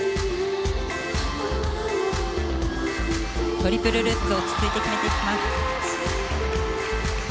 トリプルルッツ落ち着いて決めていきます。